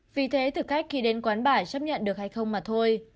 vì thế thực khách khi đến quán bà chấp nhận được hay không mà thôi